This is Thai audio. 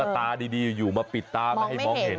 ตาดีอยู่มาปิดตาไม่ให้มองเห็น